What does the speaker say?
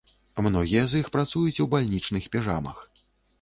Многія з іх працуюць у бальнічных піжамах.